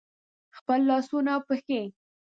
خپل لاسونه او پښې